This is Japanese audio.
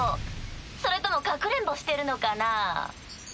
それともかくれんぼしてるのかな？